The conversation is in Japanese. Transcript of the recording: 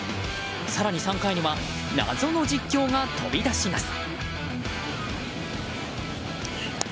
更に３回には謎の実況が飛び出します。